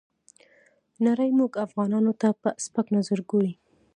نړۍ موږ افغانانو ته په سپک نظر ګوري.